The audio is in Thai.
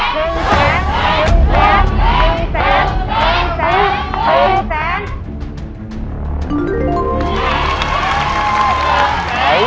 ๑ล้าน